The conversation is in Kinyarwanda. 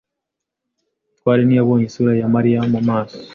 Mutware ntiyabonye isura ya Mariya mu maso.